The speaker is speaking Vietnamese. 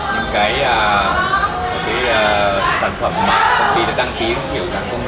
những sản phẩm mà quốc tế đã đăng ký kiểu dáng công nghệ